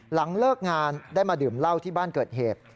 หลังเลิกงานได้มาดื่มเหล้าที่บ้านเกิดเหตุ